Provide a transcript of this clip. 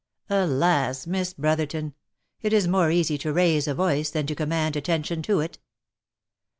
" Alas ! Miss Brotherton ! It is more easy to raise a voice, than to command attention to it.